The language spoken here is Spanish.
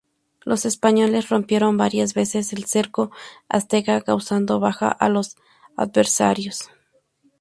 Los españoles rompieron varias veces el cerco azteca causando bajas a los adversarios.